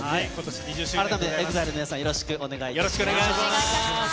改めてＥＸＩＬＥの皆さん、よろしくお願いします。